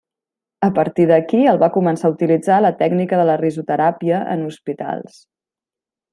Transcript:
A partir d'aquí, el va començar a utilitzar la tècnica de la risoteràpia en hospitals.